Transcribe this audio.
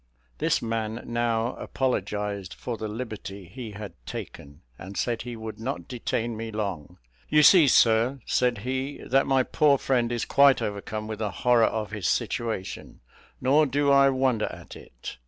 This man now apologized for the liberty he had taken, and said he would not detain me long. "You see, sir," said he, "that my poor friend is quite overcome with the horror of his situation: nor do I wonder at it.